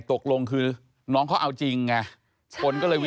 ตกลงคือน้องเขาเอาจริงไง